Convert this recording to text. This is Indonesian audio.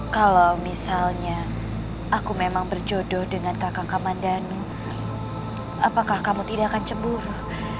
kalau misalnya aku memang berjodoh dengan kakang kakang mandano apakah kamu tidak akan cemburu